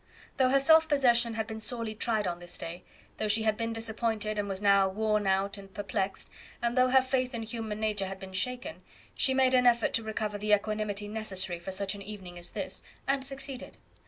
Though her self possession had been sorely tried on this day, though she had been disappointed, and was now worn out and perplexed, and though her faith in human nature had been shaken, she made an effort to recover the equanimity necessary for such an evening as this, and succeeded.